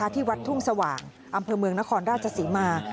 ที่วัดทุ่งสว่างอำเภอเมืองนครราชศรีมา